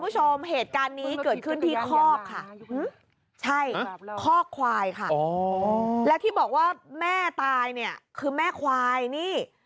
ใช่คอกควายค่ะและที่บอกว่าแม่ตายเนี่ยคือแม่ควายนี่